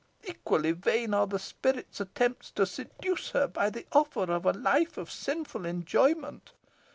Equally vain are the spirit's attempts to seduce her by the offer of a life of sinful enjoyment.